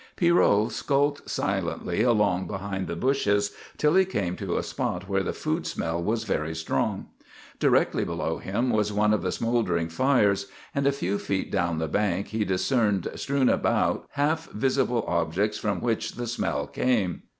Pierrot skulked silently along behind the bushes till he came to a spot where the food smell was very strong. Directly below him was one of the smouldering fires, and a few feet down the bank he discerned strewn about half visible objects from which the smell came.